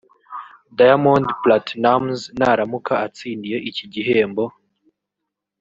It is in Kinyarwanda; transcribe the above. Diamond Platnumz naramuka atsindiye iki gihembo